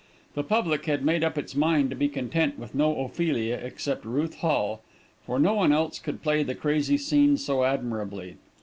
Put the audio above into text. The public had made up its mind to be content with no Ophelia except Ruth Hall, for no one else could play the crazy scenes so admirably.